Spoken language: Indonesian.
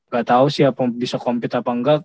gak tau sih apa bisa compete apa enggak